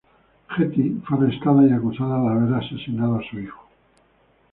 Hetty fue arrestada y acusada de haber asesinado a su hijo.